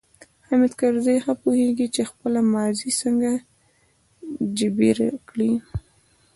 حامد کرزی ښه پوهیږي چې خپله ماضي څنګه جبیره کړي.